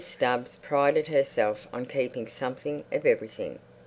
Stubbs prided herself on keeping something of everything.